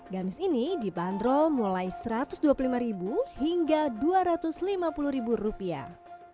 gamis ini dibanderol mulai satu ratus dua puluh lima hingga dua ratus lima puluh rupiah